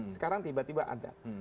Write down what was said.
sekarang tiba tiba ada